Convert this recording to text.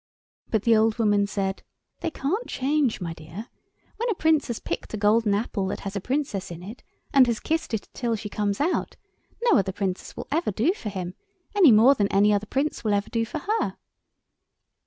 But the old woman said— "They can't change, my dear. When a Prince has picked a gold apple that has a Princess in it, and has kissed it till she comes out, no other Princess will ever do for him, any more than any other Prince will ever do for her."